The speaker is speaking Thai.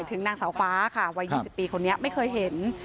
นางสาวฟ้าค่ะวัย๒๐ปีคนนี้ไม่เคยเห็น